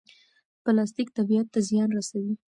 پلاستیک طبیعت ته زیان رسوي.